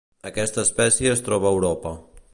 Aquesta espècie es troba a Europa.